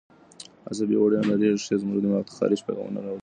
عصبي وړې او نرۍ رېښې زموږ دماغ ته د خارښ پیغامونه لېږي.